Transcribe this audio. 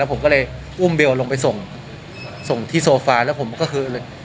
ผมก็เลยอุ้มเบลลงไปส่งส่งที่โซฟาแล้วผมก็คือเลย